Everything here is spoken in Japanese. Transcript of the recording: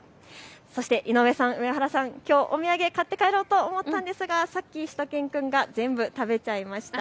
そして井上さん上原さん、お土産買って帰ろうと思ったんですがしゅと犬くんが全部食べちゃいました。